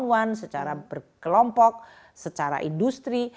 kita melakukan secara kelompok secara industri